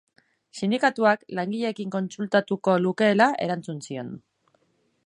Sindikatuak langileekin kontsultatuko lukeela erantzun zion.